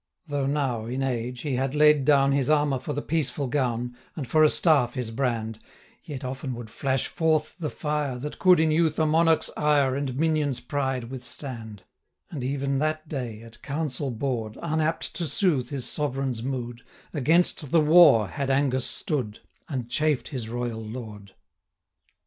Though now, in age, he had laid down 405 His armour for the peaceful gown, And for a staff his brand, Yet often would flash forth the fire, That could, in youth, a monarch's ire And minion's pride withstand; 410 And even that day, at council board, Unapt to soothe his sovereign's mood, Against the war had Angus stood, And chafed his royal Lord.